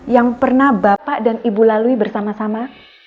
yang pernah bapak dan ibu lalui bersama sama